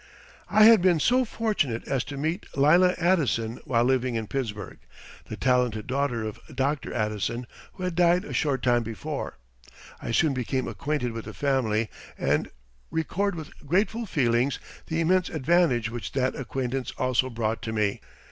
I had been so fortunate as to meet Leila Addison while living in Pittsburgh, the talented daughter of Dr. Addison, who had died a short time before. I soon became acquainted with the family and record with grateful feelings the immense advantage which that acquaintance also brought to me.